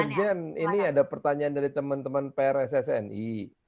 pak dirjen ini ada pertanyaan dari teman teman prssni